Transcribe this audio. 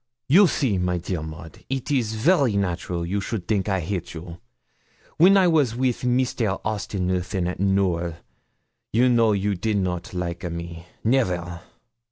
'You see, my dear Maud, it is very natural you should think I hate you. When I was with Mr. Austin Ruthyn, at Knowl, you know you did not like a me never.